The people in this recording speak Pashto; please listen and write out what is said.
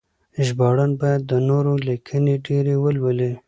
ژباړن باید د نورو لیکنې ډېرې ولولي.